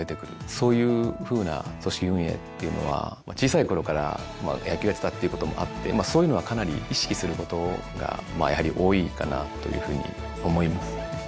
そういうふうな組織運営っていうのは小さいころから野球をやってたっていうこともあってそういうのはかなり意識することがやはり多いかなというふうに思います。